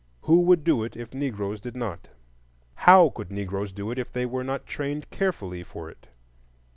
Who would do it if Negroes did not? How could Negroes do it if they were not trained carefully for it?